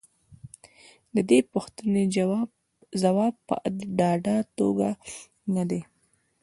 د دې پوښتنې ځواب په ډاډه توګه نه دی.